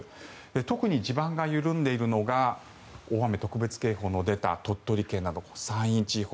特に地盤が緩んでいるのが大雨特別警報の出た鳥取県など山陰地方